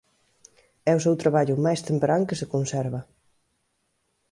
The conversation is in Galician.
É o seu traballo máis temperán que se conserva.